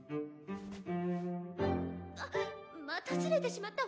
あっまたずれてしまったわ。